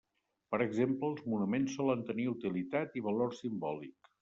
Per exemple, els monuments solen tenir utilitat i valor simbòlic.